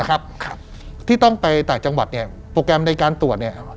ครับที่ต้องไปต่างจังหวัดเนี่ยโปรแกรมในการตรวจเนี่ย